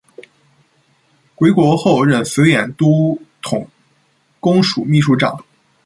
归国后任绥远都统公署秘书长。